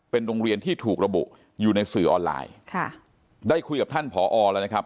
เป็นโรงเรียนที่ถูกระบุอยู่ในสื่อออนไลน์ค่ะได้คุยกับท่านผอแล้วนะครับ